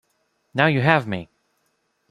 Now you have me!